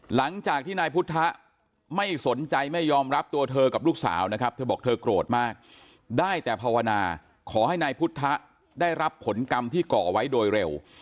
หลังจากที่นายพุทธไม่สนใจไม่ยอมรับตัวเธอกับลูกสาวนะครับเธอบอกเธอโกรธมากได้แต่ภาวนาขอให้นายพุทธได้รับผลกรรมที่ก่อไว้โดยเร็ว